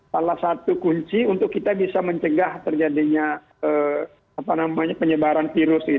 salah satu kunci untuk kita bisa mencegah terjadinya penyebaran virus